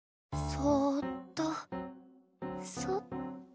そっとそっと。